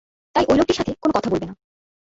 তাই ঐ লোকটির সাথে কোন কথা বলবে না।